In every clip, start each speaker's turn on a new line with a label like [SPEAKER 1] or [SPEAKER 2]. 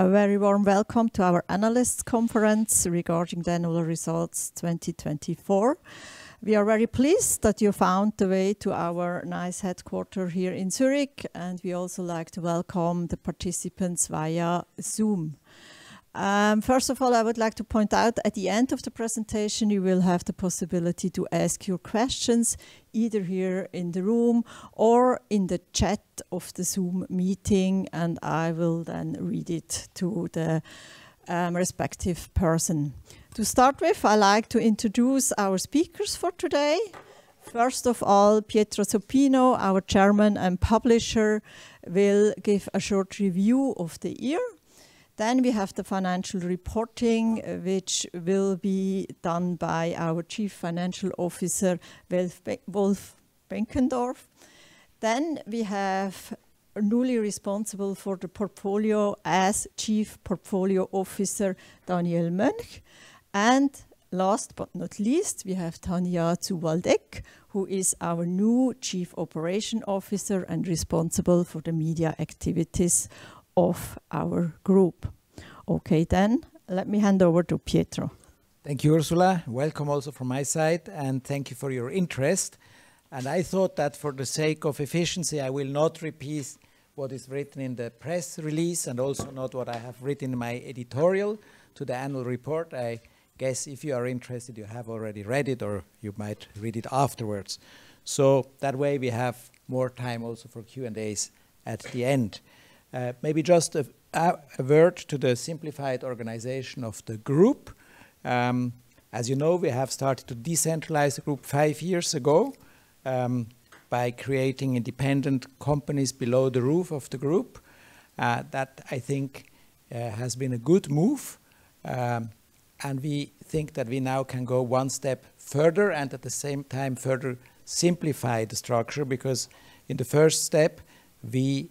[SPEAKER 1] A very warm welcome to our analyst conference regarding the annual results 2024. We are very pleased that you found the way to our nice headquarter here in Zurich, and we also like to welcome the participants via Zoom. First of all, I would like to point out, at the end of the presentation, you will have the possibility to ask your questions, either here in the room or in the chat of the Zoom meeting, and I will then read it to the respective person. To start with, I like to introduce our speakers for today. First of all, Pietro Supino, our Chairman and Publisher, will give a short review of the year. Then we have the financial reporting, which will be done by our Chief Financial Officer, Wolf-Gerrit Benkendorff. Then we have newly responsible for the portfolio as Chief Portfolio Officer, Daniel Mönch. Last but not least, we have Tanja zu Waldeck, who is our new Chief Operating Officer and responsible for the media activities of our group. Let me hand over to Pietro.
[SPEAKER 2] Thank you, Ursula. Welcome also from my side, and thank you for your interest. I thought that for the sake of efficiency, I will not repeat what is written in the press release and also not what I have written in my editorial to the annual report. I guess if you are interested, you have already read it or you might read it afterwards. That way we have more time also for Q&As at the end. Maybe just a word to the simplified organization of the group. As you know, we have started to decentralize the group 5 years ago by creating independent companies below the roof of the group. That, I think, has been a good move, and we think that we now can go one step further and at the same time further simplify the structure, because in the first step, we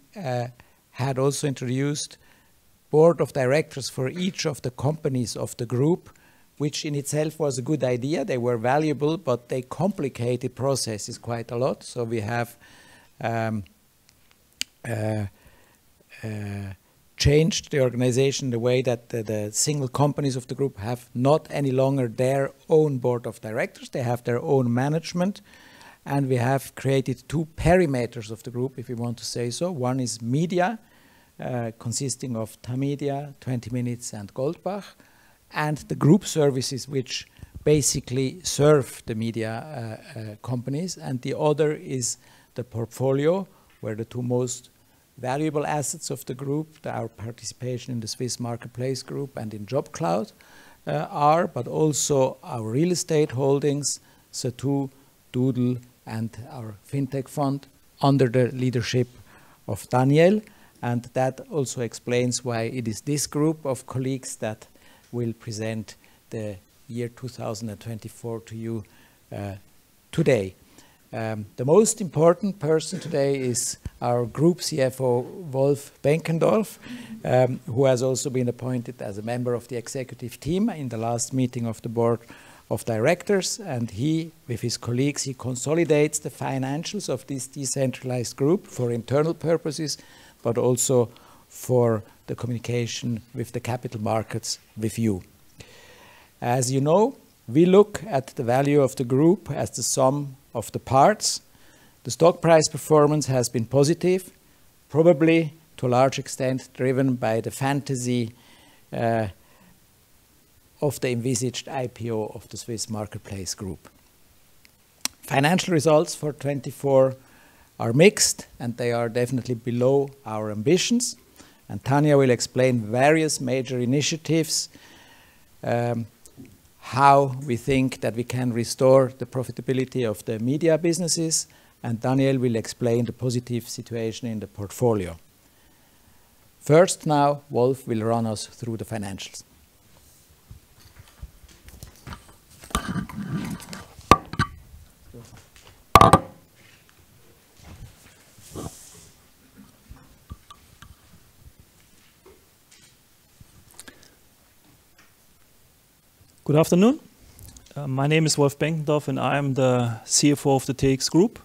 [SPEAKER 2] had also introduced board of directors for each of the companies of the group, which in itself was a good idea. They were valuable, but they complicated processes quite a lot. We have changed the organization, the way that the single companies of the group have not any longer their own board of directors. They have their own management, and we have created two perimeters of the group, if you want to say so. One is Media, consisting of Tamedia, 20 Minuten, and Goldbach, and the Group Services which basically serve the media companies. The other is the portfolio, where the 2 most valuable assets of the group, our participation in the Swiss Marketplace Group and in JobCloud, are, but also our real estate holdings, Zattoo, Doodle, and our fintech fund under the leadership of Daniel. That also explains why it is this group of colleagues that will present the year 2024 to you today. The most important person today is our Group CFO, Wolf-Gerrit Benkendorff, who has also been appointed as a member of the executive team in the last meeting of the board of directors. He, with his colleagues, he consolidates the financials of this decentralized group for internal purposes, but also for the communication with the capital markets with you. As you know, we look at the value of the group as the sum of the parts. The stock price performance has been positive, probably to a large extent driven by the fantasy of the envisaged IPO of the Swiss Marketplace Group. Financial results for 2024 are mixed, and they are definitely below our ambitions. Tanja will explain various major initiatives, how we think that we can restore the profitability of the media businesses, and Daniel will explain the positive situation in the portfolio. First now, Wolf will run us through the financials.
[SPEAKER 3] Good afternoon. My name is Wolf-Gerrit Benkendorff, and I am the CFO of the TX Group.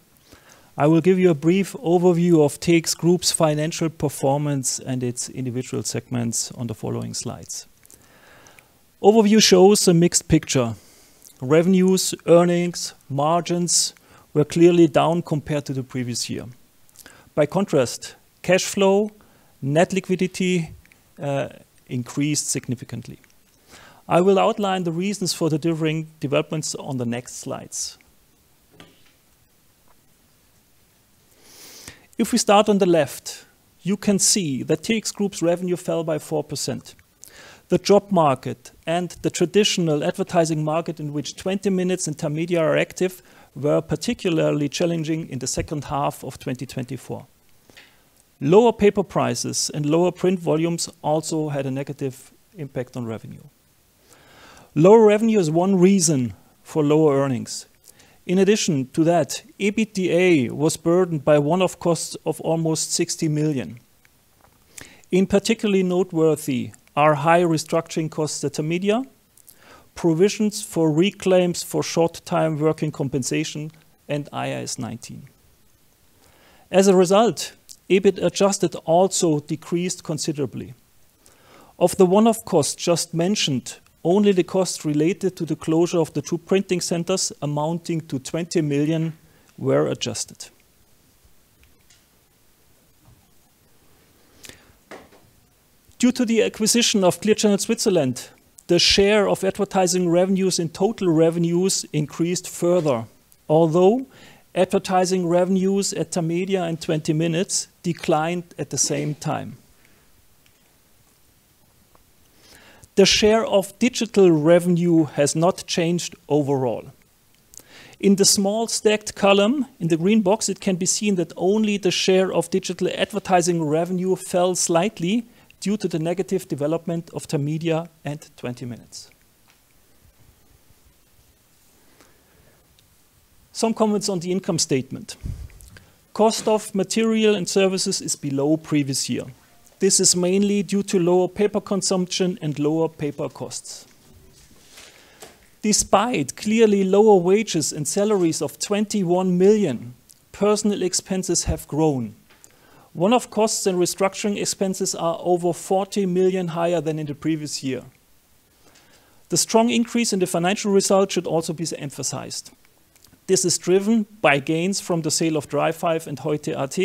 [SPEAKER 3] I will give you a brief overview of TX Group's financial performance and its individual segments on the following slides. Overview shows a mixed picture. Revenues, earnings, margins were clearly down compared to the previous year. By contrast, cash flow, net liquidity increased significantly. I will outline the reasons for the differing developments on the next slides. If we start on the left, you can see that TX Group's revenue fell by 4%. The job market and the traditional advertising market in which 20 Minuten and Tamedia are active were particularly challenging in the second half of 2024. Lower paper prices and lower print volumes also had a negative impact on revenue. Lower revenue is one reason for lower earnings. In addition to that, EBITDA was burdened by one-off costs of almost 60 million. In particularly noteworthy are high restructuring costs at Tamedia, provisions for reclaims for short-time working compensation and IAS 19. As a result, EBIT adjusted also decreased considerably. Of the one-off costs just mentioned, only the costs related to the closure of the two printing centers amounting to 20 million were adjusted. Due to the acquisition of Clear Channel Switzerland, the share of advertising revenues and total revenues increased further. Advertising revenues at Tamedia in 20 Minuten declined at the same time. The share of digital revenue has not changed overall. In the small stacked column in the green box, it can be seen that only the share of digital advertising revenue fell slightly due to the negative development of Tamedia at 20 Minuten. Some comments on the income statement. Cost of material and services is below previous year. This is mainly due to lower paper consumption and lower paper costs. Despite clearly lower wages and salaries of CHF 21 million, personal expenses have grown. One-off costs and restructuring expenses are over 40 million higher than in the previous year. The strong increase in the financial results should also be emphasized. This is driven by gains from the sale of Dreifive and Heute.at,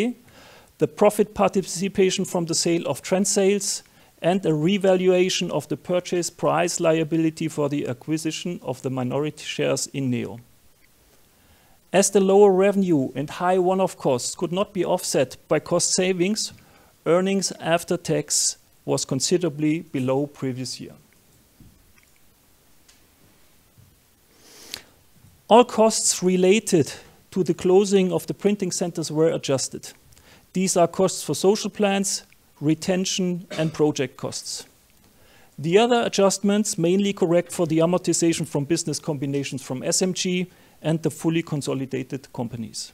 [SPEAKER 3] the profit participation from the sale of Trendsales, and a revaluation of the purchase price liability for the acquisition of the minority shares in Neo. As the lower revenue and high one-off costs could not be offset by cost savings, earnings after tax was considerably below previous year. All costs related to the closing of the printing centers were adjusted. These are costs for social plans, retention, and project costs. The other adjustments mainly correct for the amortization from business combinations from SMG and the fully consolidated companies.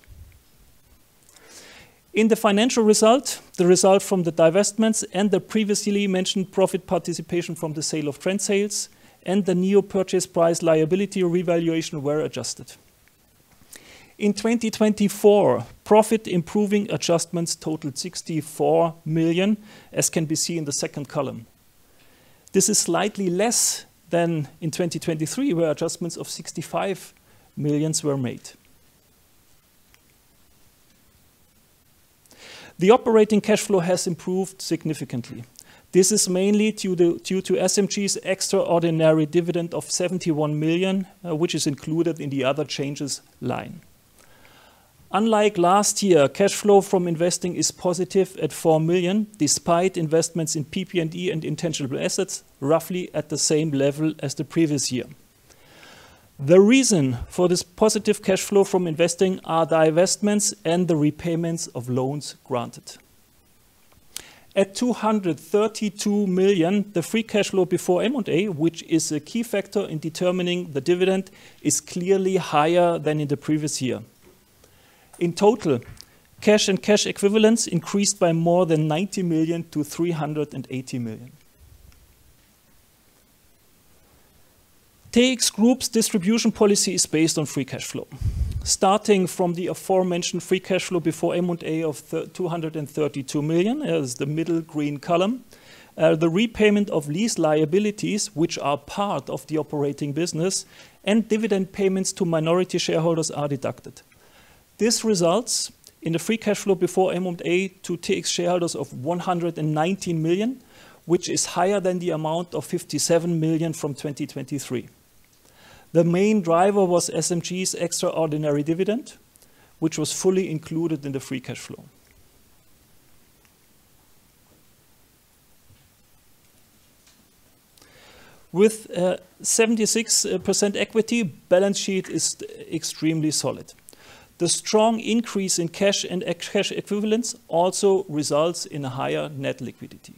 [SPEAKER 3] In the financial result, the result from the divestments and the previously mentioned profit participation from the sale of Trendsales and the Neo purchase price liability revaluation were adjusted. In 2024, profit improving adjustments totaled 64 million, as can be seen in the second column. This is slightly less than in 2023, where adjustments of 65 million were made. The operating cash flow has improved significantly. This is mainly due to SMG's extraordinary dividend of 71 million, which is included in the other changes line. Unlike last year, cash flow from investing is positive at 4 million, despite investments in PP&E and intangible assets, roughly at the same level as the previous year. The reason for this positive cash flow from investing are the investments and the repayments of loans granted. At 232 million, the free cash flow before M&A, which is a key factor in determining the dividend, is clearly higher than in the previous year. In total, cash and cash equivalents increased by more than 90 million to 380 million. TX Group's distribution policy is based on free cash flow. Starting from the aforementioned free cash flow before M&A of 232 million, as the middle green column, the repayment of lease liabilities, which are part of the operating business and dividend payments to minority shareholders are deducted. This results in a free cash flow before M&A to take shareholders of 119 million, which is higher than the amount of 57 million from 2023. The main driver was SMG's extraordinary dividend, which was fully included in the free cash flow. With 76% equity, balance sheet is extremely solid. The strong increase in cash and cash equivalents also results in a higher net liquidity.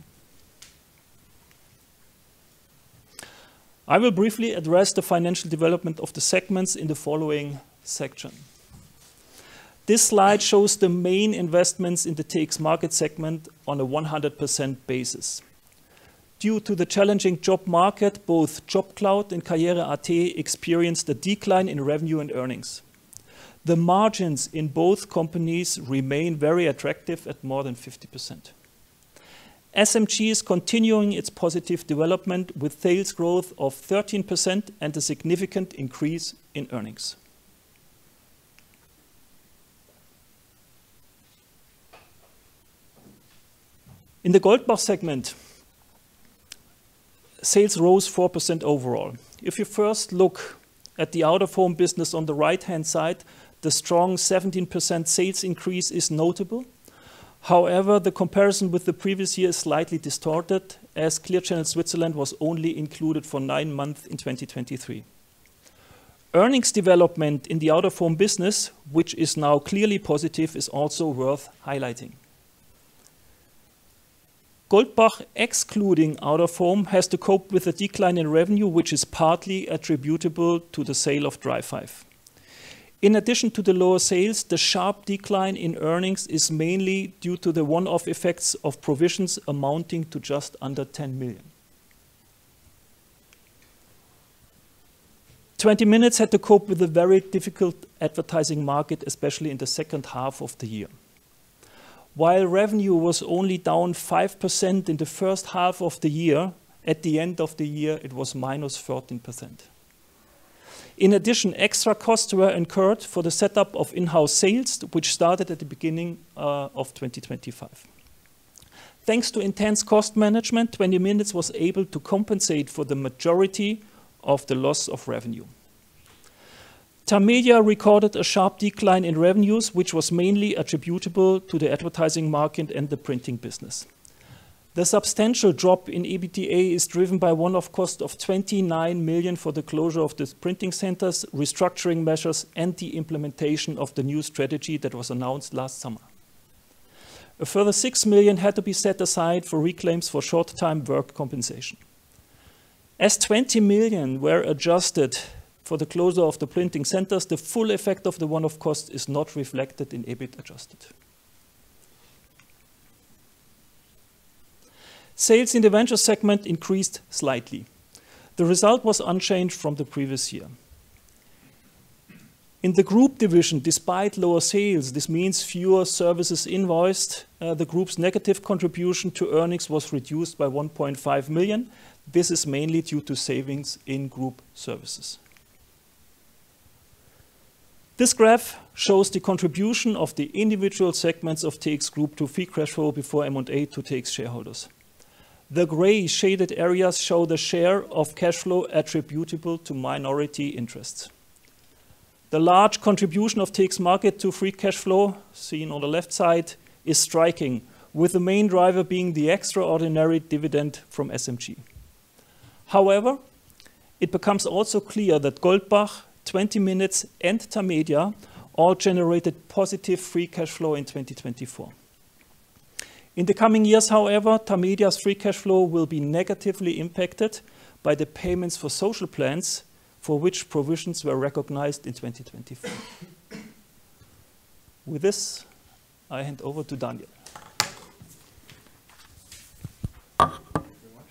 [SPEAKER 3] I will briefly address the financial development of the segments in the following section. This slide shows the main investments in the TX Markets segment on a 100% basis. Due to the challenging job market, both JobCloud and karriere.at experienced a decline in revenue and earnings. The margins in both companies remain very attractive at more than 50%. SMG is continuing its positive development with sales growth of 13% and a significant increase in earnings. In the Goldbach segment, sales rose 4% overall. If you first look at the out-of-home business on the right-hand side, the strong 17% sales increase is notable. The comparison with the previous year is slightly distorted as Clear Channel Switzerland was only included for 9 months in 2023. Earnings development in the out-of-home business, which is now clearly positive, is also worth highlighting. Goldbach, excluding out-of-home, has to cope with a decline in revenue, which is partly attributable to the sale of DriveFive. In addition to the lower sales, the sharp decline in earnings is mainly due to the one-off effects of provisions amounting to just under 10 million. 20 Minuten had to cope with a very difficult advertising market, especially in the second half of the year. While revenue was only down 5% in the first half of the year, at the end of the year, it was minus 14%. Extra costs were incurred for the setup of in-house sales, which started at the beginning of 2025. Thanks to intense cost management, 20 Minuten was able to compensate for the majority of the loss of revenue. Tamedia recorded a sharp decline in revenues, which was mainly attributable to the advertising market and the printing business. The substantial drop in EBITDA is driven by one-off cost of 29 million for the closure of the printing centers, restructuring measures, and the implementation of the new strategy that was announced last summer. A further 6 million had to be set aside for reclaims for short-time work compensation. As 20 million were adjusted for the closure of the printing centers, the full effect of the one-off cost is not reflected in EBIT adjusted. Sales in the venture segment increased slightly. The result was unchanged from the previous year. In the group division, despite lower sales, this means fewer services invoiced, the group's negative contribution to earnings was reduced by 1.5 million. This is mainly due to savings in group services. This graph shows the contribution of the individual segments of TX Group to free cash flow before M&A to TX shareholders. The gray shaded areas show the share of cash flow attributable to minority interests. The large contribution of TX Markets to free cash flow, seen on the left side, is striking, with the main driver being the extraordinary dividend from SMG. It becomes also clear that Goldbach, 20 Minuten, and Tamedia all generated positive free cash flow in 2024. In the coming years, however, Tamedia's free cash flow will be negatively impacted by the payments for social plans for which provisions were recognized in 2024. With this, I hand over to Daniel.
[SPEAKER 4] Thank you very much.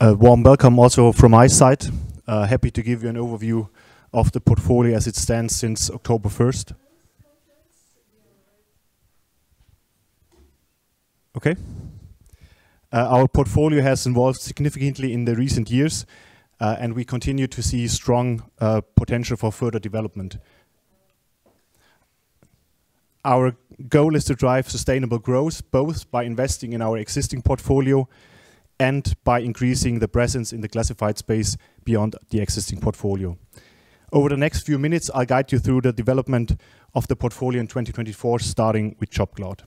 [SPEAKER 4] A warm welcome also from my side. Happy to give you an overview of the portfolio as it stands since October 1st. Our portfolio has evolved significantly in the recent years, and we continue to see strong potential for further development. Our goal is to drive sustainable growth, both by investing in our existing portfolio and by increasing the presence in the classified space beyond the existing portfolio. Over the next few minutes, I'll guide you through the development of the portfolio in 2024, starting with JobCloud.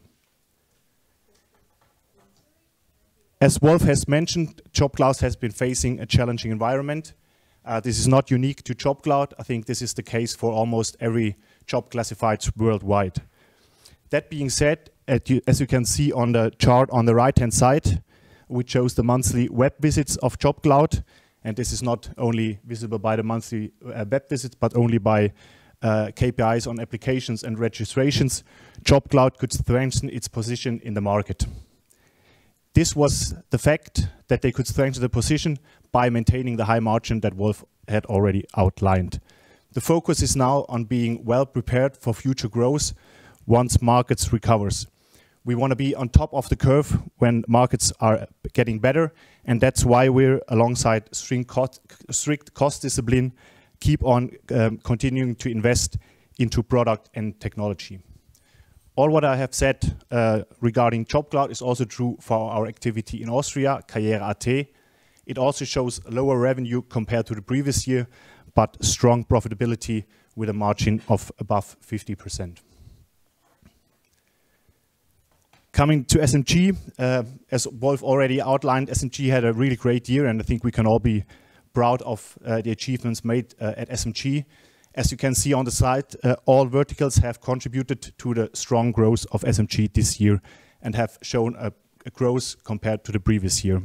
[SPEAKER 4] As Wolf has mentioned, JobCloud has been facing a challenging environment. This is not unique to JobCloud. I think this is the case for almost every job classifieds worldwide. That being said, as you can see on the chart on the right-hand side, we chose the monthly web visits of JobCloud, and this is not only visible by the monthly web visits, but only by KPIs on applications and registrations. JobCloud could strengthen its position in the market. This was the fact that they could strengthen the position by maintaining the high margin that Wolf had already outlined. The focus is now on being well prepared for future growth once markets recovers. We wanna be on top of the curve when markets are getting better, and that's why we're alongside strict cost discipline, keep on continuing to invest into product and technology. All what I have said regarding JobCloud is also true for our activity in Austria, karriere.at. It also shows lower revenue compared to the previous year, but strong profitability with a margin of above 50%. Coming to SMG, as Wolf already outlined, SMG had a really great year, and I think we can all be proud of the achievements made at SMG. As you can see on the side, all verticals have contributed to the strong growth of SMG this year and have shown a growth compared to the previous year.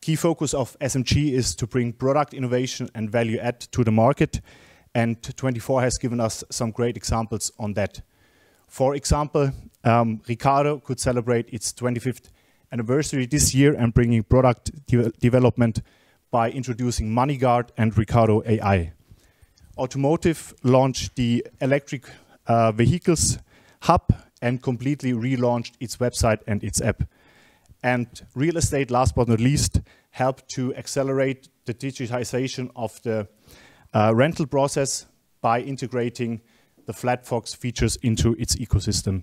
[SPEAKER 4] Key focus of SMG is to bring product innovation and value add to the market. 2024 has given us some great examples on that. For example, Ricardo could celebrate its 25th anniversary this year and bringing product development by introducing MoneyGuard and Ricardo AI. Automotive launched the electric vehicles hub and completely relaunched its website and its app. Real Estate, last but not least, helped to accelerate the digitization of the rental process by integrating the Flatfox features into its ecosystem.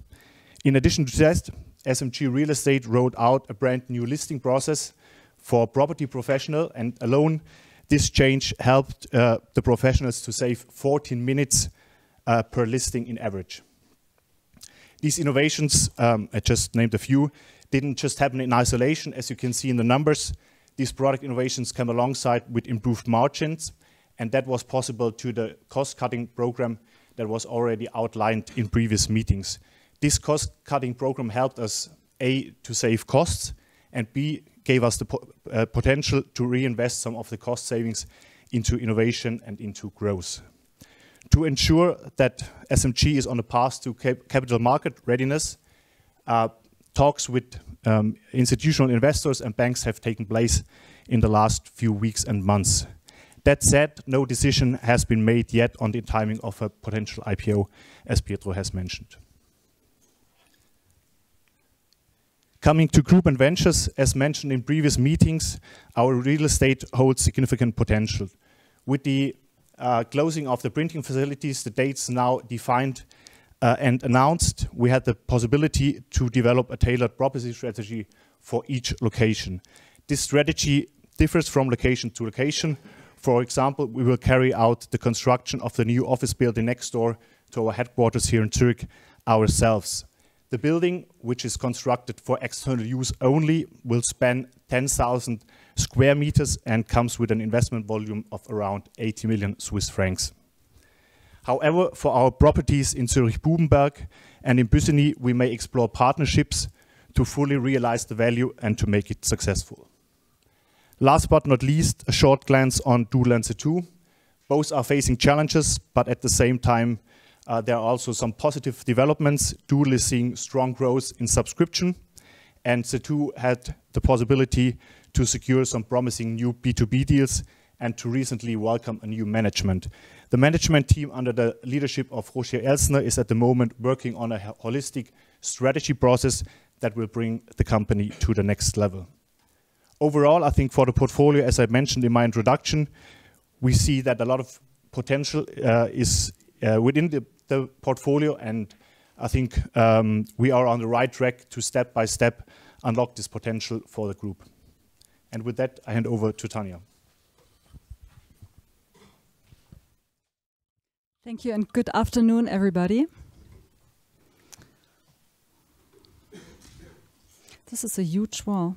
[SPEAKER 4] In addition to just SMG Real Estate rolled out a brand-new listing process for property professional, alone, this change helped the professionals to save 14 minutes per listing in average. These innovations, I just named a few, didn't just happen in isolation. As you can see in the numbers, these product innovations come alongside with improved margins, that was possible to the cost-cutting program that was already outlined in previous meetings. This cost-cutting program helped us, A, to save costs, and B, gave us the potential to reinvest some of the cost savings into innovation and into growth. To ensure that SMG is on a path to capital market readiness, talks with institutional investors and banks have taken place in the last few weeks and months. That said, no decision has been made yet on the timing of a potential IPO, as Pietro has mentioned. Coming to Group and Ventures, as mentioned in previous meetings, our real estate holds significant potential. With the closing of the printing facilities, the dates now defined and announced, we had the possibility to develop a tailored property strategy for each location. This strategy differs from location to location. For example, we will carry out the construction of the new office building next door to our headquarters here in Zurich ourselves. The building, which is constructed for external use only, will span 10,000 sq m and comes with an investment volume of around 80 million Swiss francs. For our properties in Zurich Bubenberg and in Bussigny, we may explore partnerships to fully realize the value and to make it successful. Last but not least, a short glance on Doodle and Zattoo. Both are facing challenges, but at the same time, there are also some positive developments. Doodle is seeing strong growth in subscription, and Zattoo had the possibility to secure some promising new B2B deals and to recently welcome a new management. The management team under the leadership of Roger Elsener is at the moment working on a holistic strategy process that will bring the company to the next level. Overall, I think for the portfolio, as I mentioned in my introduction, we see that a lot of potential is within the portfolio, and I think, we are on the right track to step by step unlock this potential for the group. With that, I hand over to Tanja.
[SPEAKER 5] Thank you and good afternoon, everybody. This is a huge wall.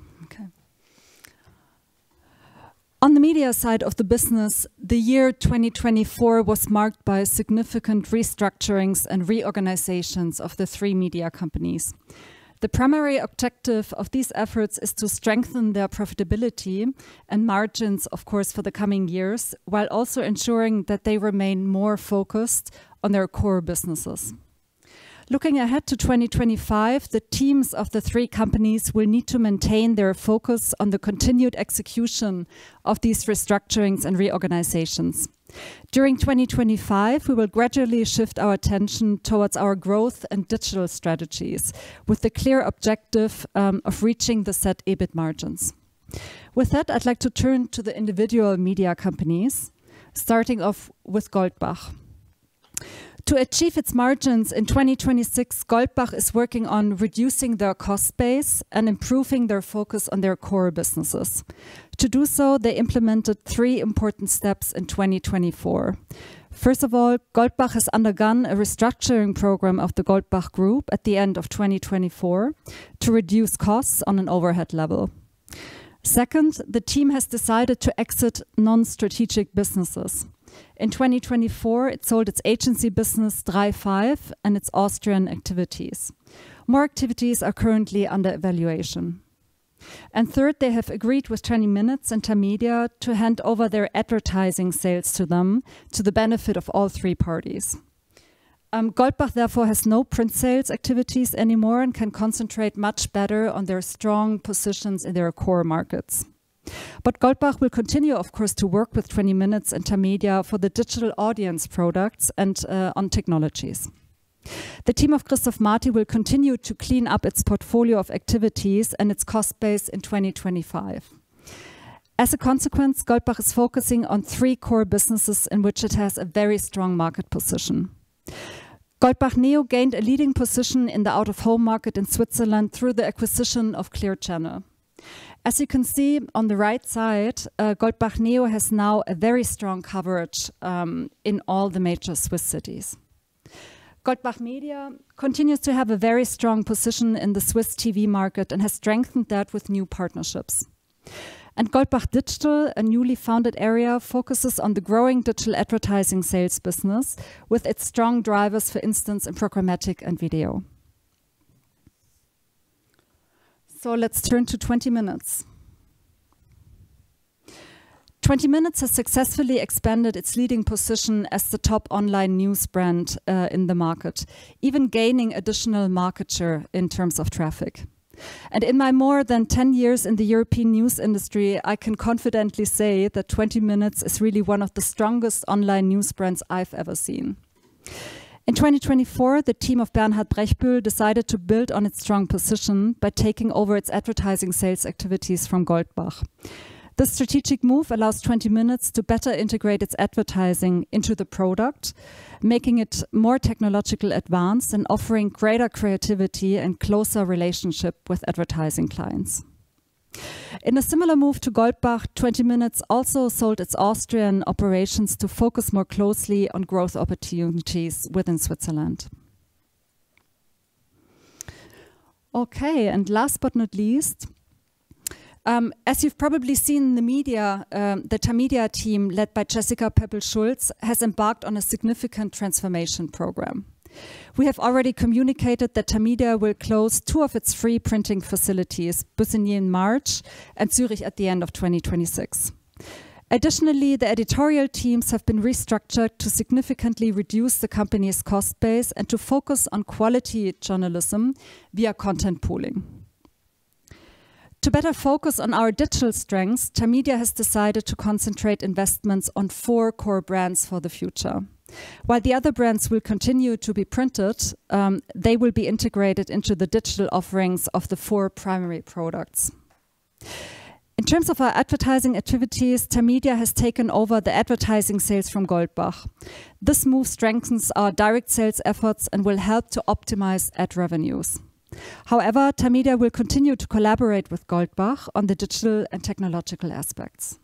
[SPEAKER 5] Okay. On the media side of the business, the year 2024 was marked by significant restructurings and reorganizations of the three media companies. The primary objective of these efforts is to strengthen their profitability and margins, of course, for the coming years, while also ensuring that they remain more focused on their core businesses. Looking ahead to 2025, the teams of the three companies will need to maintain their focus on the continued execution of these restructurings and reorganizations. During 2025, we will gradually shift our attention towards our growth and digital strategies with the clear objective of reaching the set EBIT margins. With that, I'd like to turn to the individual media companies, starting off with Goldbach. To achieve its margins in 2026, Goldbach is working on reducing their cost base and improving their focus on their core businesses. To do so, they implemented three important steps in 2024. First of all, Goldbach has undergone a restructuring program of the Goldbach Group at the end of 2024 to reduce costs on an overhead level. Second, the team has decided to exit non-strategic businesses. In 2024, it sold its agency business Drei Fünf and its Austrian activities. More activities are currently under evaluation. Third, they have agreed with 20 Minuten and Tamedia to hand over their advertising sales to them to the benefit of all three parties. Goldbach therefore has no print sales activities anymore and can concentrate much better on their strong positions in their core markets. Goldbach will continue, of course, to work with 20 Minuten and Tamedia for the digital audience products and on technologies. The team of Christoph Marty will continue to clean up its portfolio of activities and its cost base in 2025. As a consequence, Goldbach is focusing on 3 core businesses in which it has a very strong market position. Goldbach Neo gained a leading position in the out-of-home market in Switzerland through the acquisition of Clear Channel. As you can see on the right side, Goldbach Neo has now a very strong coverage in all the major Swiss cities. Goldbach Media continues to have a very strong position in the Swiss TV market and has strengthened that with new partnerships. Goldbach Digital, a newly founded area, focuses on the growing digital advertising sales business with its strong drivers for instance in programmatic and video. Let's turn to 20 Minuten. 20 Minuten has successfully expanded its leading position as the top online news brand in the market, even gaining additional market share in terms of traffic. In my more than 10 years in the European news industry, I can confidently say that 20 Minuten is really one of the strongest online news brands I've ever seen. In 2024, the team of Bernhard Brechbühl decided to build on its strong position by taking over its advertising sales activities from Goldbach. This strategic move allows 20 Minuten to better integrate its advertising into the product, making it more technologically advanced and offering greater creativity and closer relationship with advertising clients. In a similar move to Goldbach, 20 Minuten also sold its Austrian operations to focus more closely on growth opportunities within Switzerland. Last but not least, as you've probably seen in the media, the Tamedia team, led by Jessica Peppel-Schulz, has embarked on a significant transformation program. We have already communicated that Tamedia will close two of its three printing facilities, Bussigny in March and Zurich at the end of 2026. Additionally, the editorial teams have been restructured to significantly reduce the company's cost base and to focus on quality journalism via content pooling. To better focus on our digital strengths, Tamedia has decided to concentrate investments on four core brands for the future. While the other brands will continue to be printed, they will be integrated into the digital offerings of the four primary products. In terms of our advertising activities, Tamedia has taken over the advertising sales from Goldbach. This move strengthens our direct sales efforts and will help to optimize ad revenues. However, Tamedia will continue to collaborate with Goldbach on the digital and technological aspects.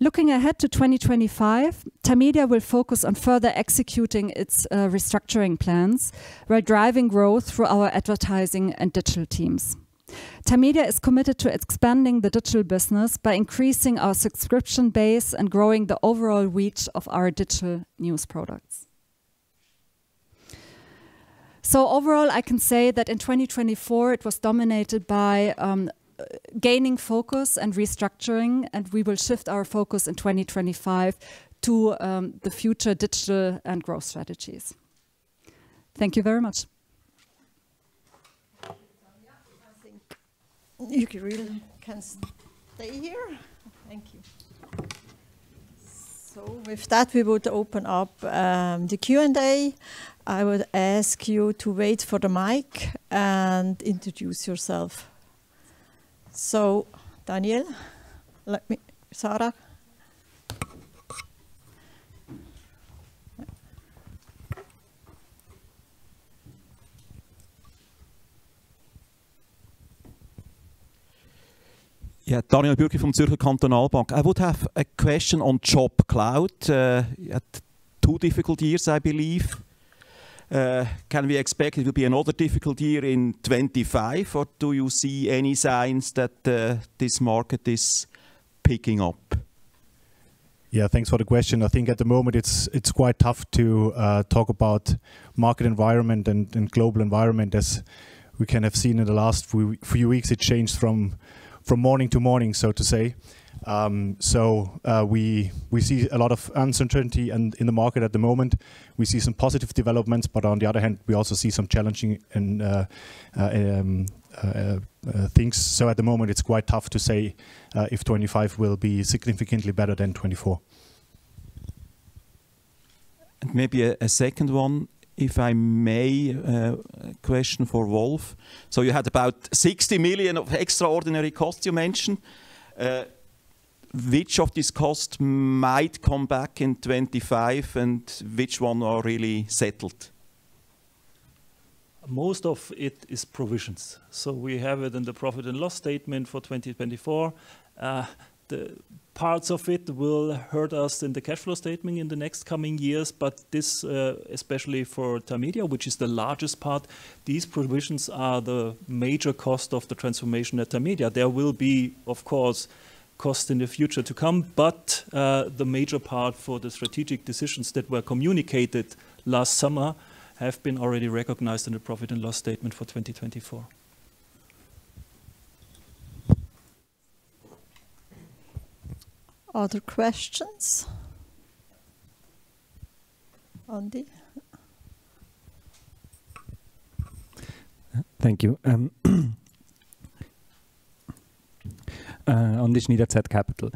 [SPEAKER 5] Looking ahead to 2025, Tamedia will focus on further executing its restructuring plans, while driving growth through our advertising and digital teams. Tamedia is committed to expanding the digital business by increasing our subscription base and growing the overall reach of our digital news products. Overall, I can say that in 2024, it was dominated by gaining focus and restructuring, and we will shift our focus in 2025 to the future digital and growth strategies. Thank you very much.
[SPEAKER 1] Thank you, Tanja.
[SPEAKER 5] Thank you.
[SPEAKER 1] You can stay here. Thank you. With that, we would open up the Q&A. I would ask you to wait for the mic and introduce yourself. Daniel, Sarah?
[SPEAKER 6] Yeah. Daniel Bürki from Zürcher Kantonalbank. I would have a question on JobCloud. You had two difficult years, I believe. Can we expect it to be another difficult year in 2025 or do you see any signs that this market is picking up?
[SPEAKER 4] Yeah, thanks for the question. I think at the moment it's quite tough to talk about market environment and global environment. As we kind of seen in the last few weeks, it changed from morning to morning, so to say. We see a lot of uncertainty in the market at the moment. We see some positive developments, but on the other hand, we also see some challenging things. At the moment, it's quite tough to say if 2025 will be significantly better than 2024.
[SPEAKER 6] Maybe a second one, if I may, a question for Wolf. You had about 60 million of extraordinary costs you mentioned. Which of these costs might come back in 2025 and which one are really settled?
[SPEAKER 3] Most of it is provisions. We have it in the profit and loss statement for 2024. The parts of it will hurt us in the cash flow statement in the next coming years, but this, especially for Tamedia, which is the largest part, these provisions are the major cost of the transformation at Tamedia. There will be, of course, costs in the future to come, the major part for the strategic decisions that were communicated last summer have been already recognized in the profit and loss statement for 2024.
[SPEAKER 1] Other questions? Andy?
[SPEAKER 7] Thank you, Andy Schnyder, zCapital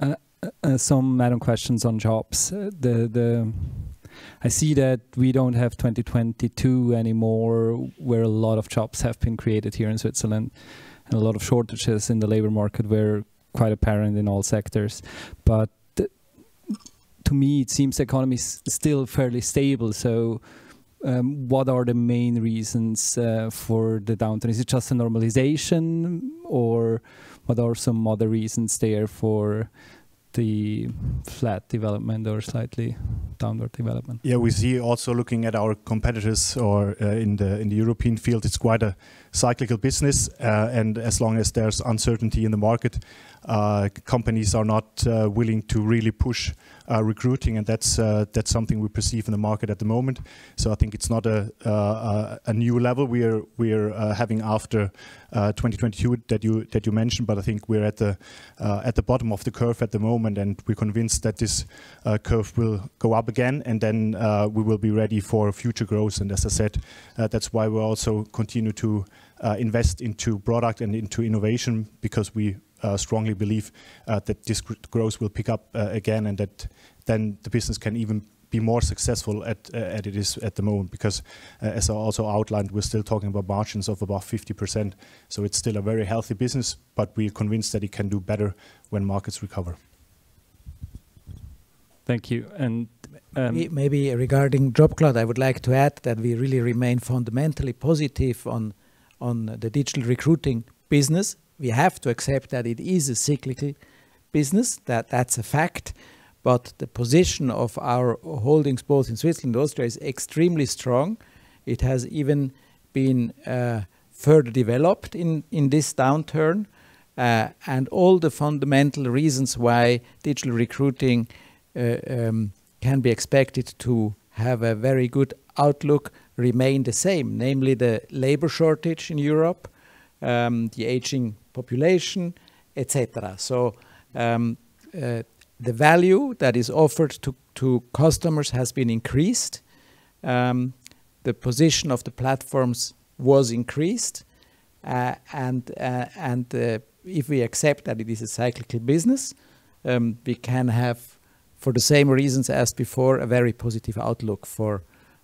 [SPEAKER 7] AG. Some random questions on jobs. I see that we don't have 2022 anymore, where a lot of jobs have been created here in Switzerland, and a lot of shortages in the labor market were quite apparent in all sectors. To me, it seems the economy is still fairly stable. What are the main reasons for the downturn? Is it just a normalization or what are some other reasons there for the flat development or slightly downward development?
[SPEAKER 4] We see also looking at our competitors or in the European field, it's quite a cyclical business. As long as there's uncertainty in the market, companies are not willing to really push recruiting, and that's something we perceive in the market at the moment. I think it's not a new level we're having after 2022 that you mentioned. I think we're at the bottom of the curve at the moment, and we're convinced that this curve will go up again, and we will be ready for future growth. As I said, that's why we also continue to invest into product and into innovation because we strongly believe that this growth will pick up again and that then the business can even be more successful as it is at the moment, because as I also outlined, we're still talking about margins of about 50%. It's still a very healthy business, but we're convinced that it can do better when markets recover.
[SPEAKER 7] Thank you.
[SPEAKER 2] Maybe regarding JobCloud, I would like to add that we really remain fundamentally positive on the digital recruiting business. We have to accept that it is a cyclical business. That's a fact. The position of our holdings, both in Switzerland and Austria, is extremely strong. It has even been further developed in this downturn. All the fundamental reasons why digital recruiting can be expected to have a very good outlook remain the same, namely the labor shortage in Europe. The aging population, et cetera. The value that is offered to customers has been increased. The position of the platforms was increased. If we accept that it is a cyclical business, we can have, for the same reasons as before, a very positive outlook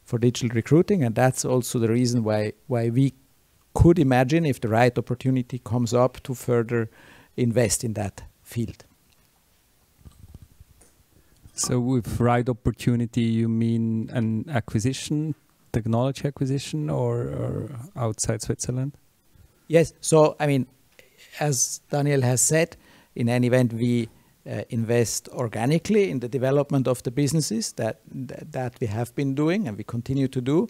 [SPEAKER 2] for digital recruiting. That's also the reason why we could imagine, if the right opportunity comes up, to further invest in that field.
[SPEAKER 7] With right opportunity, you mean an acquisition, technology acquisition or outside Switzerland?
[SPEAKER 2] Yes. I mean, as Daniel has said, in any event, we invest organically in the development of the businesses that we have been doing and we continue to do,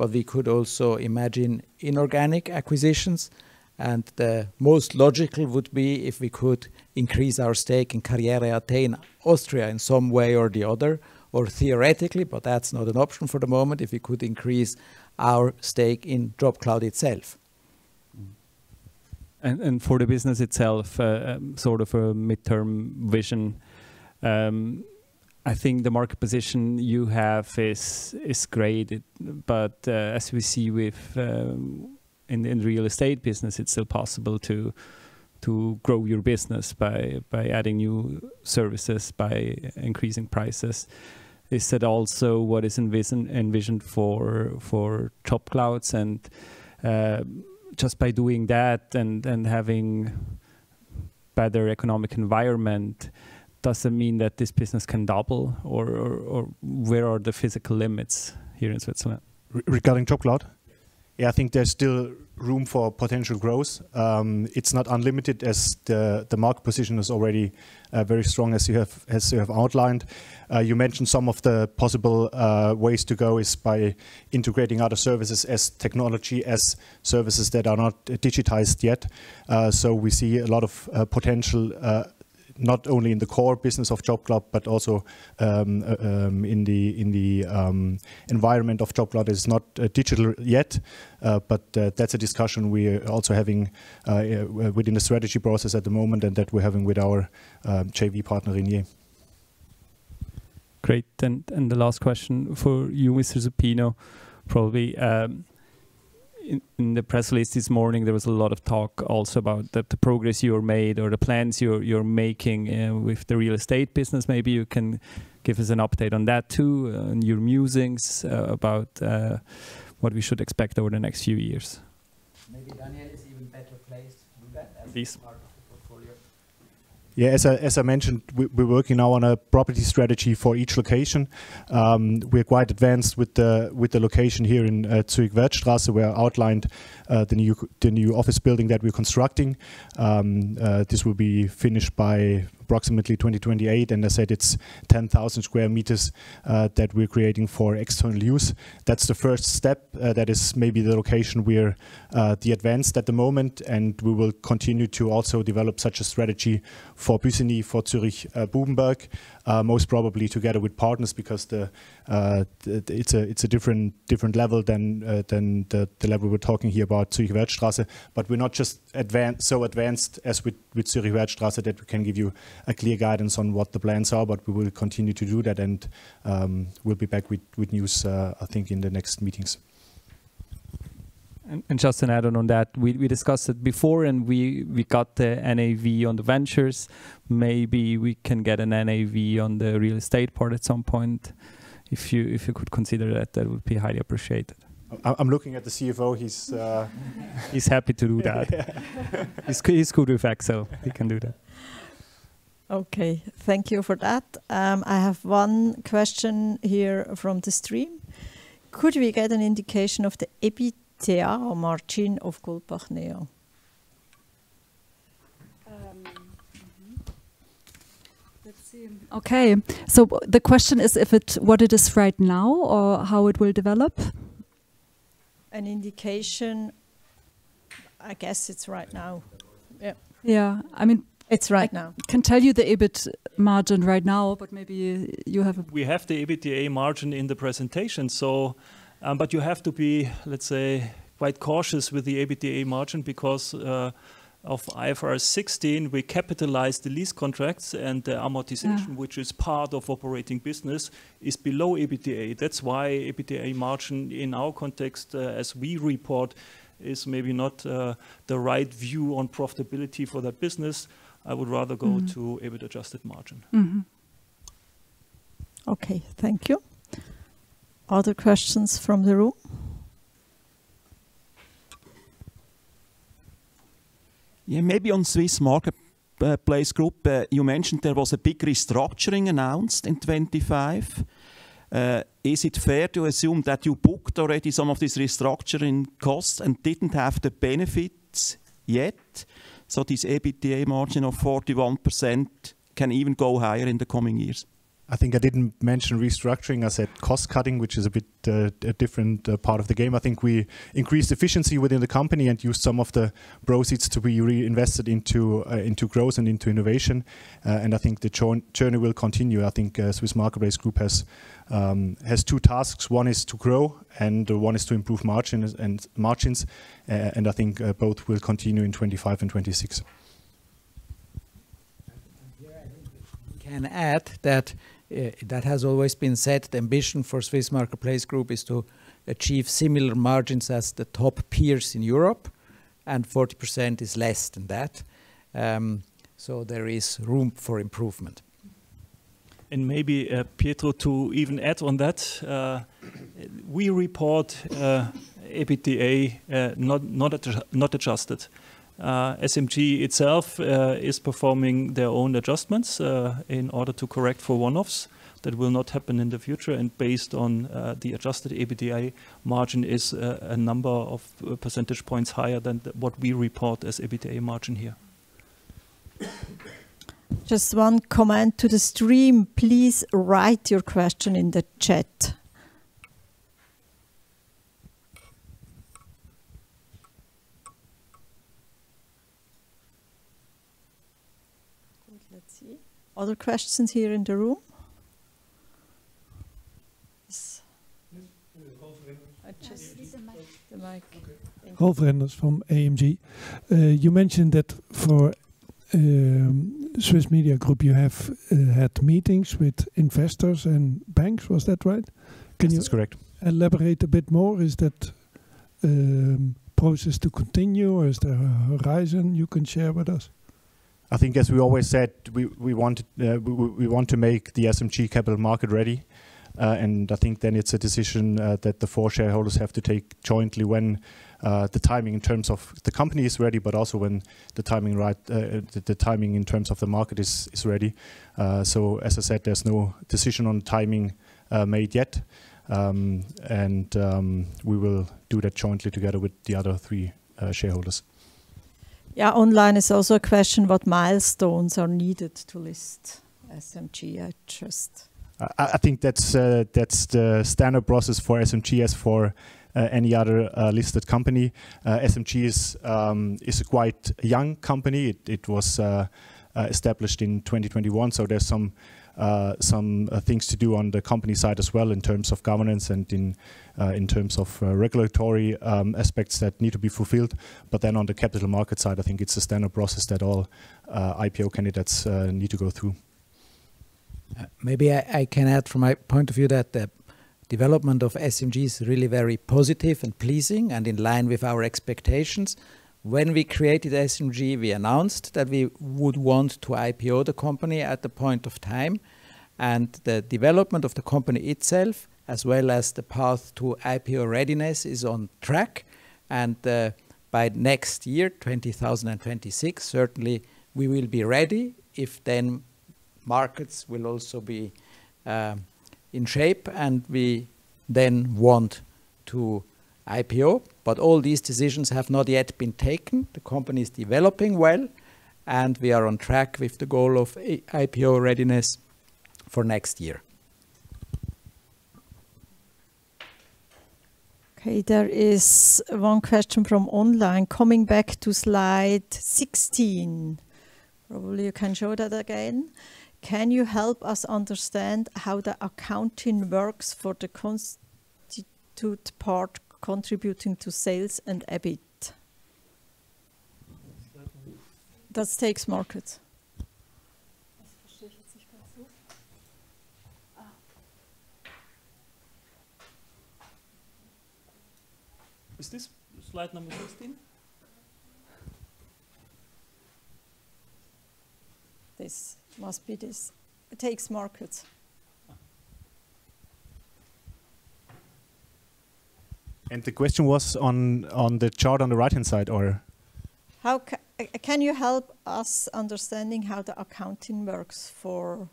[SPEAKER 2] but we could also imagine inorganic acquisitions. The most logical would be if we could increase our stake in karriere.at Austria in some way or the other, or theoretically, but that's not an option for the moment, if we could increase our stake in JobCloud itself.
[SPEAKER 7] For the business itself, sort of a midterm vision, I think the market position you have is great. As we see with in real estate business, it's still possible to grow your business by adding new services, by increasing Prices. Is that also what is envisioned for JobCloud? Just by doing that and having better economic environment, doesn't mean that this business can double or where are the physical limits here in Switzerland?
[SPEAKER 4] Regarding JobCloud?
[SPEAKER 7] Yes.
[SPEAKER 4] I think there's still room for potential growth. It's not unlimited as the market position is already very strong as you have outlined. You mentioned some of the possible ways to go is by integrating other services as technology, as services that are not digitized yet. We see a lot of potential not only in the core business of JobCloud, but also in the environment of JobCloud is not digital yet. That's a discussion we are also having within the strategy process at the moment and that we're having with our JV partner Ringier.
[SPEAKER 7] Great. The last question for you, Pietro Supino, probably, in the press release this morning, there was a lot of talk also about the progress you have made or the plans you're making with the real estate business. Maybe you can give us an update on that too, and your musings about what we should expect over the next few years.
[SPEAKER 2] Maybe Daniel is even better placed with that.
[SPEAKER 7] Please.
[SPEAKER 2] as part of the portfolio.
[SPEAKER 4] As I mentioned, we're working now on a property strategy for each location. We're quite advanced with the location here in Zürich, Werdstrasse, where I outlined the new office building that we're constructing. This will be finished by approximately 2028, and I said it's 10,000 sq m that we're creating for external use. That's the first step. That is maybe the location we're the advanced at the moment, and we will continue to also develop such a strategy for Bussigny, for Zürich, Bubenberg, most probably together with partners because it's a different level than the level we're talking here about Zürich, Werdstrasse. We're not just so advanced as with Zürich, Werdstrasse that we can give you a clear guidance on what the plans are, but we will continue to do that. We'll be back with news, I think in the next meetings.
[SPEAKER 7] Just an add on on that. We discussed it before and we got the NAV on the ventures. Maybe we can get an NAV on the real estate part at some point. If you could consider that would be highly appreciated.
[SPEAKER 4] I'm looking at the CFO. He's.
[SPEAKER 7] He's happy to do that.
[SPEAKER 4] Yeah.
[SPEAKER 7] He's good with Excel. He can do that.
[SPEAKER 1] Okay. Thank you for that. I have one question here from the stream. Could we get an indication of the EBITDA margin of Goldbach Neo?
[SPEAKER 2] Mm-hmm. Let's see.
[SPEAKER 1] Okay. The question is if what it is right now or how it will develop.
[SPEAKER 2] An indication, I guess it's right now. Yeah.
[SPEAKER 1] Yeah. I mean-
[SPEAKER 2] It's right now.
[SPEAKER 1] I can tell you the EBIT margin right now, but maybe you have a-
[SPEAKER 3] We have the EBITDA margin in the presentation, so, but you have to be, let's say, quite cautious with the EBITDA margin because of IFRS 16, we capitalize the lease contracts and the amortization.
[SPEAKER 1] Yeah
[SPEAKER 3] Which is part of operating business, is below EBITDA. That's why EBITDA margin in our context, as we report, is maybe not the right view on profitability for that business.
[SPEAKER 1] Mm-hmm
[SPEAKER 3] to EBIT adjusted margin.
[SPEAKER 1] Okay. Thank you. Other questions from the room?
[SPEAKER 6] Maybe on Swiss Marketplace Group, you mentioned there was a big restructuring announced in 2025. Is it fair to assume that you booked already some of these restructuring costs and didn't have the benefits yet, so this EBITDA margin of 41% can even go higher in the coming years?
[SPEAKER 4] I think I didn't mention restructuring. I said cost-cutting, which is a bit a different part of the game. I think we increased efficiency within the company and used some of the proceeds to be reinvested into growth and into innovation. I think the journey will continue. I think Swiss Marketplace Group has two tasks. One is to grow, and one is to improve margins. I think both will continue in 2025 and 2026.
[SPEAKER 2] I can add that has always been said, the ambition for Swiss Marketplace Group is to achieve similar margins as the top peers in Europe. 40% is less than that. There is room for improvement.
[SPEAKER 3] Maybe, Pietro, to even add on that, we report EBITDA, not not adjusted. SMG itself is performing their own adjustments in order to correct for one-offs that will not happen in the future. Based on, the adjusted EBITDA margin is a number of percentage points higher than what we report as EBITDA margin here.
[SPEAKER 1] Just one comment to the stream. Please write your question in the chat. Let's see. Other questions here in the room? Yes.
[SPEAKER 8] Yes. Holve Reynolds.
[SPEAKER 1] I just-
[SPEAKER 8] Use the mic.
[SPEAKER 1] The mic.
[SPEAKER 8] Okay.
[SPEAKER 1] Thank you.
[SPEAKER 8] Holve Reynolds from AMG. You mentioned that for Swiss Media Group, you have had meetings with investors and banks. Was that right?
[SPEAKER 4] That's correct.
[SPEAKER 8] Elaborate a bit more? Is that process to continue, or is there a horizon you can share with us?
[SPEAKER 4] I think as we always said, we want to make the SMG capital market ready. I think then it's a decision that the four shareholders have to take jointly when the timing in terms of the company is ready, but also when the timing, the timing in terms of the market is ready. As I said, there's no decision on timing made yet. And we will do that jointly together with the other three shareholders.
[SPEAKER 1] Yeah. Online is also a question what milestones are needed to list SMG?
[SPEAKER 4] I think that's the standard process for SMG as for any other listed company. SMG is a quite young company. It was established in 2021, there's some things to do on the company side as well in terms of governance and in terms of regulatory aspects that need to be fulfilled. On the capital market side, I think it's a standard process that all IPO candidates need to go through.
[SPEAKER 2] Maybe I can add from my point of view that the development of SMG is really very positive and pleasing and in line with our expectations. When we created SMG, we announced that we would want to IPO the company at the point of time, and the development of the company itself, as well as the path to IPO readiness, is on track. By next year, 2026, certainly we will be ready if then markets will also be in shape and we then want to IPO. All these decisions have not yet been taken. The company is developing well, and we are on track with the goal of IPO readiness for next year.
[SPEAKER 1] There is one question from online. Coming back to slide 16. Probably you can show that again. Can you help us understand how the accounting works for the constituent part contributing to sales and EBIT? That's TX Markets.
[SPEAKER 9] [unintelligible] Ah.
[SPEAKER 3] Is this slide number 16?
[SPEAKER 1] This. Must be this. TX Markets.
[SPEAKER 3] The question was on the chart on the right-hand side or?
[SPEAKER 1] How can you help us understanding how the accounting works for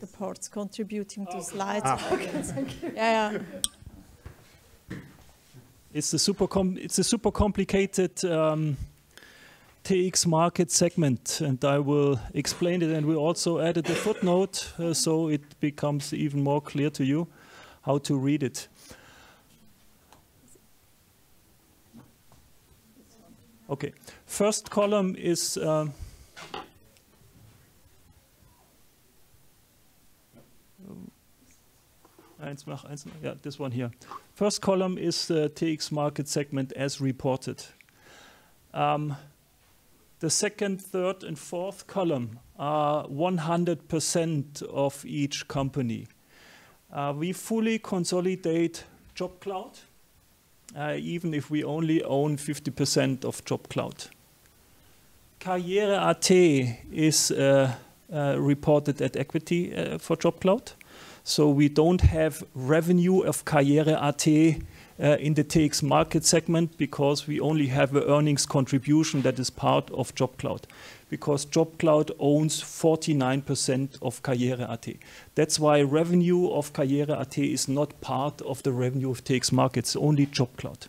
[SPEAKER 1] the parts contributing to slide
[SPEAKER 9] Oh, okay.
[SPEAKER 1] Okay, thank you. Yeah, yeah.
[SPEAKER 3] It's a super complicated TX Markets segment. I will explain it. We also added a footnote, so it becomes even more clear to you how to read it. Okay, first column is.
[SPEAKER 1] One more.
[SPEAKER 3] This one here. First column is the TX Markets segment, as reported. The second, third, and fourth column are 100% of each company. We fully consolidate JobCloud, even if we only own 50% of JobCloud. karriere.at is reported at equity for JobCloud. We don't have revenue of karriere.at in the TX Markets segment because we only have an earnings contribution that is part of JobCloud, because JobCloud owns 49% of karriere.at. That's why revenue of karriere.at is not part of the revenue of TX Markets, only JobCloud.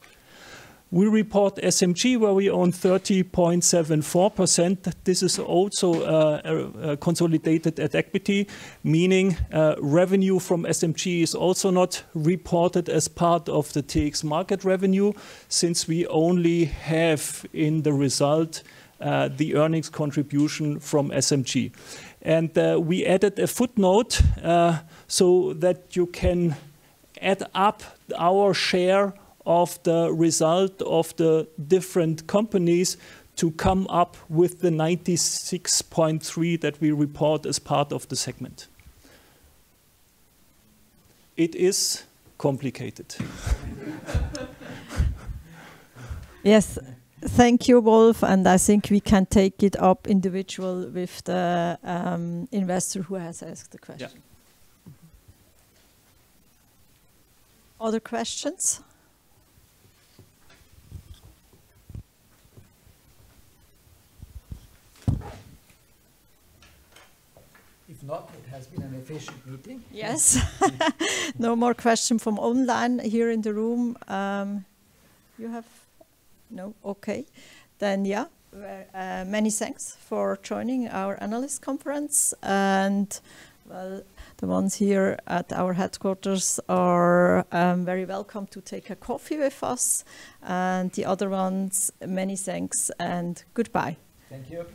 [SPEAKER 3] We report SMG, where we own 30.74%. This is also consolidated at equity, meaning revenue from SMG is also not reported as part of the TX Markets revenue since we only have in the result the earnings contribution from SMG. We added a footnote so that you can add up our share of the result of the different companies to come up with the 96.3 that we report as part of the segment. It is complicated.
[SPEAKER 1] Yes. Thank you, Wolf. I think we can take it up individual with the investor who has asked the question.
[SPEAKER 3] Yeah.
[SPEAKER 1] Other questions?
[SPEAKER 2] If not, it has been an efficient meeting.
[SPEAKER 1] Yes. No more question from online. Here in the room, you have? No. Okay. Yeah, many thanks for joining our analyst conference. Well, the ones here at our headquarters are very welcome to take a coffee with us, and the other ones, many thanks and goodbye.
[SPEAKER 2] Thank you.